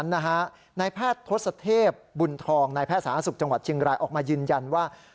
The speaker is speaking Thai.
เชฟบุญทองในแพทย์สาธารณสุขจังหวัดชิงรายออกมายืนยันว่า